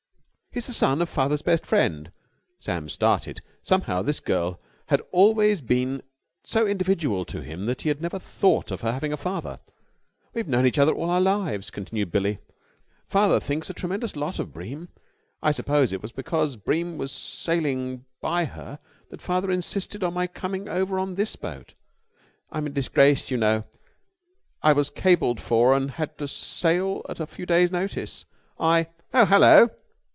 "He's the son of father's best friend." Sam started. Somehow this girl had always been so individual to him that he had never thought of her having a father. "We have known each other all our lives," continued Billie. "Father thinks a tremendous lot of Bream. I suppose it was because Bream was sailing by her that father insisted on my coming over on this boat. I'm in disgrace, you know. I was cabled for and had to sail at a few days' notice. I...." "Oh, hello!"